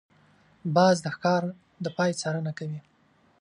باز د ښکار د پای څارنه کوي